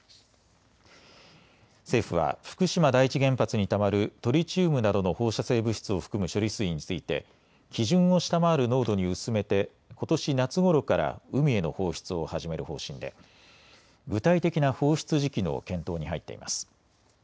政府は福島第一原発にたまるトリチウムなどの放射性物質を含む処理水について基準を下回る濃度に薄めてことし夏ごろから海への放出を始める方針で具体的な放出時期の検討に入っています。